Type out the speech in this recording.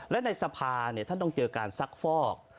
และในสภาท่านต้องเจอการซักฟอก